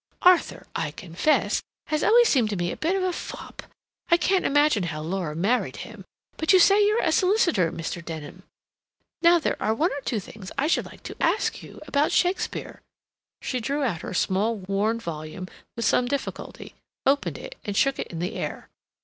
Arthur, I confess, has always seemed to me a bit of a fop; I can't imagine how Laura married him. But you say you're a solicitor, Mr. Denham. Now there are one or two things I should like to ask you—about Shakespeare—" She drew out her small, worn volume with some difficulty, opened it, and shook it in the air.